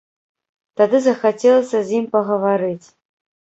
Тады захацелася з ім пагаварыць.